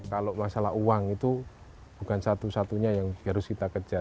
kalau masalah uang itu bukan satu satunya yang harus kita kejar